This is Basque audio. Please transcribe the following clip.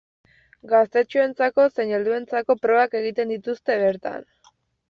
Gaztetxoentzako zein helduentzako probak dituzte bertan.